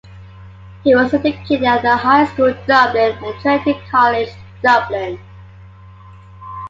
He was educated at The High School, Dublin and Trinity College, Dublin.